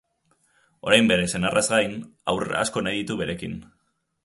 Orain bere senarraz gain, haur asko nahi ditu berekin.